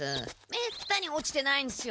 めったに落ちてないんですよ。